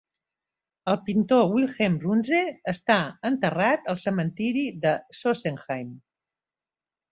El pintor Wilhelm Runze està enterrat al cementiri de Sossenheim.